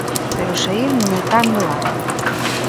Pero saír non é tan doado.